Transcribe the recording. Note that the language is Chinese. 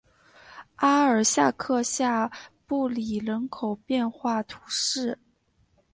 阿尔夏克下布里人口变化图示